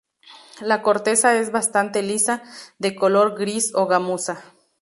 La corteza es bastante lisa; de color gris o gamuza.